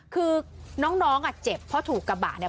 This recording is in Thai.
คือน้องอ่ะเจ็บเพราะถูกกระบะเนี่ย